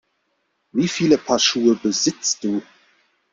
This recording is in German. Wie viele Paar Schuhe besitzt du?